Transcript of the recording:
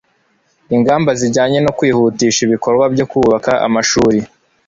ingamba zijyanye no kwihutisha ibikorwa byo kubaka amashuri